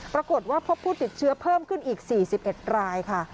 ปรากฏว่าพบผู้ติดเชื้อเพิ่มขึ้นอีก๔๑รายค่ะ